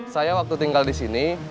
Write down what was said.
saya waktu tinggal di sini